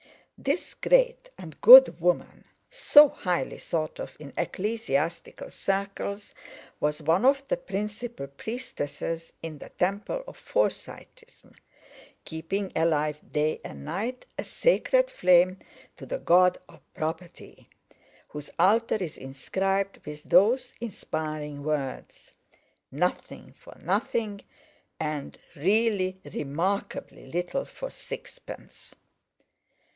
This great and good woman, so highly thought of in ecclesiastical circles, was one of the principal priestesses in the temple of Forsyteism, keeping alive day and night a sacred flame to the God of Property, whose altar is inscribed with those inspiring words: "Nothing for nothing, and really remarkably little for sixpence."